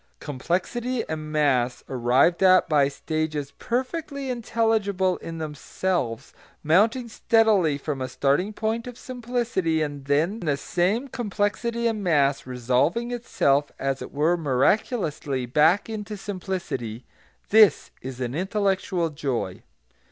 Complexity and mass, arrived at by stages perfectly intelligible in themselves, mounting steadily from a starting point of simplicity; then the same complexity and mass resolving itself as it were miraculously back into simplicity, this is an intellectual joy.